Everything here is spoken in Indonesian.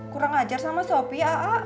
kurang ajar sama sopi